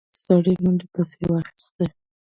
سړي منډه پسې واخيسته.